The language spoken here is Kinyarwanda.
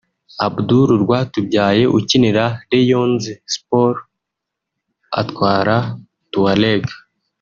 Abdoul Rwatubyaye ukinira Rayons Sport atwara Touareg